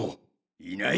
いない！？